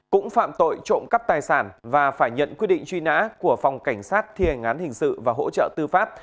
cũng phạm tội trộm cắp tài sản và phải nhận quyết định truy nã của phòng cảnh sát thiền ngán hình sự và hỗ trợ tư pháp